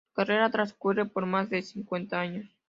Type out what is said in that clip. Su carrera transcurre por más de cincuenta años.